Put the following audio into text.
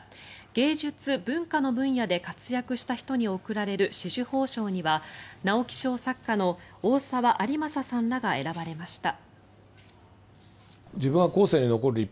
芸術、文化の分野で活躍した人に贈られる紫綬褒章には直木賞作家の大沢在昌さんらが選ばれました。